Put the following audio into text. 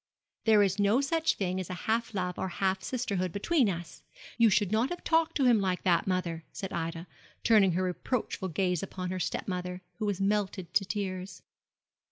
There is no such thing as half love or half sisterhood between us. You should not have talked to him like that, mother,' said Ida, turning her reproachful gaze upon her step mother, who was melted to tears.